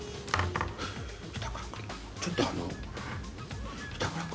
板倉君ちょっとあの板倉君？